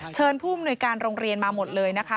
เชิญผู้อำนวยการโรงเรียนมาหมดเลยนะคะ